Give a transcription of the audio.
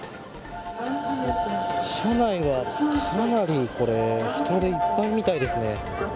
車内はかなり人でいっぱいみたいですね。